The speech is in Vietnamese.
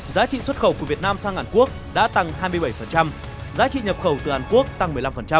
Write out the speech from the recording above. giá trị xuất khẩu của việt nam sang hàn quốc đã tăng hai mươi bảy giá trị nhập khẩu từ hàn quốc tăng một mươi năm